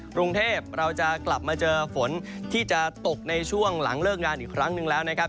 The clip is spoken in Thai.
กรุงเทพเราจะกลับมาเจอฝนที่จะตกในช่วงหลังเลิกงานอีกครั้งหนึ่งแล้วนะครับ